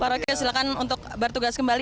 pak roke silakan untuk bertugas kembali